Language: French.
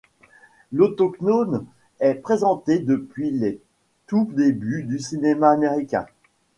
L’autochtone est présenté depuis les tout débuts du cinéma américain.